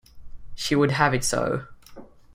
She would have it so.